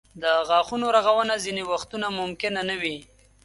د غاښونو رغونه ځینې وختونه ممکنه نه وي.